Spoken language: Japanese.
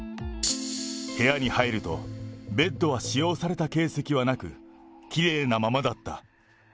部屋に入ると、ベッドは使用された形跡はなく、きれいなままだった。